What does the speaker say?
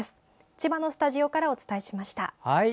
千葉のスタジオからお伝えしました。